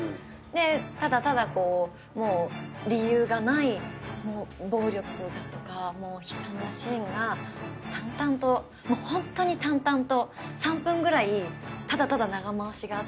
でただただ理由がない暴力だとかもう悲惨なシーンが淡々ともうホントに淡々と３分ぐらいただただ長回しがあって。